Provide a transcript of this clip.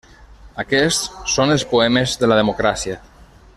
Aquests són els poemes de la democràcia.